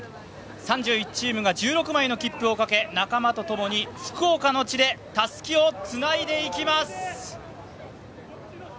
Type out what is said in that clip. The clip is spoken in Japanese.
３１チームが１６枚の切符をかけ仲間とともに福岡の地でたすきをつないでいきます。